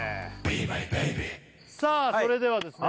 さあそれではですね